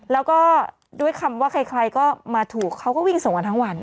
แล้วก็ด้วยคำว่าใครก็มาถูกเขาก็วิ่งส่งกันทั้งวัน